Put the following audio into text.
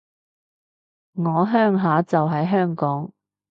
我鄉下就喺香港